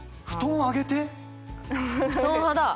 布団派だ！